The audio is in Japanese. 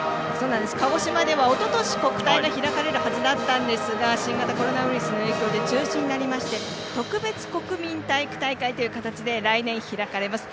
鹿児島ではおととし国体が開かれるはずだったんですが新型コロナウイルスの影響で中止になりまして特別国民体育大会という形で開かれます。